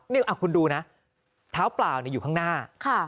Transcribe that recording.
นี่คุณดูนะเท้าเปล่าอยู่ข้างหน้า